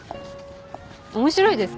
面白いですか？